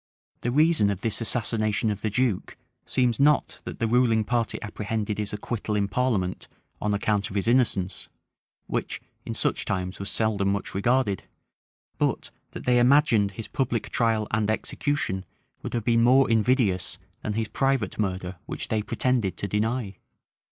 The reason of this assassination of the duke seems, not that the ruling party apprehended his acquittal in parliament on account of his innocence, which, in such times, was seldom much regarded, but that they imagined his public trial and execution would have been more invidious than his private murder which they pretended to deny.